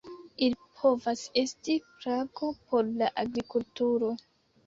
Ili povas esti plago por la agrikulturo.